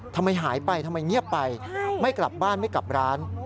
ทำไมหายไปทำไมเงียบไปไม่กลับบ้านไม่กลับร้าน